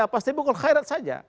iya pasti bukan khairat saja